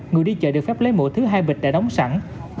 người đi chợ được phép lấy mỗi thứ hai bịch đã đóng sẵn